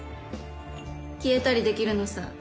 消えたりできるのさ。